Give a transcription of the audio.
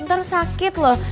ntar sakit loh